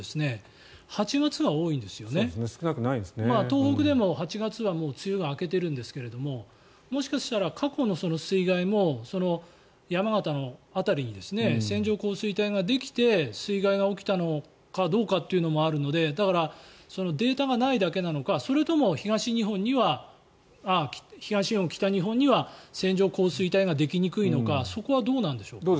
東北でも８月は梅雨が明けてるんですがもしかしたら過去の水害も山形の辺りに線状降水帯ができて水害が起きたのかどうかというのがあるのでだから、データがないだけなのかそれとも東日本、北日本には線状降水帯ができにくいのかそこはどうなんでしょうか。